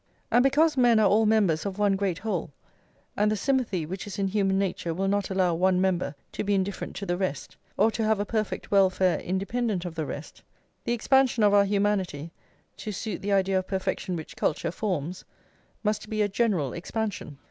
And because men are all members of one great whole, and the sympathy which is in human nature will not allow one member to be indifferent to the rest, or to have a perfect welfare independent of the rest, the expansion of our humanity, to suit the idea of perfection which culture forms, must be a general expansion.